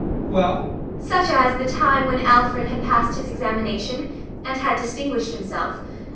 Well? ASTA. Such as the time when Alfred had passed his examination and had distinguished himself.